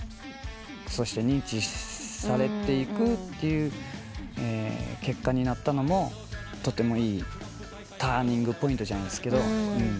そして認知されていくという結果になったのもとてもいいターニングポイントじゃないですけど。